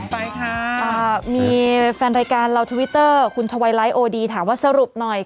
ไปค่ะอ่ามีแฟนรายการเราทวิตเตอร์คุณทวัยไลท์โอดีถามว่าสรุปหน่อย